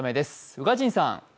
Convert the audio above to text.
宇賀神さん。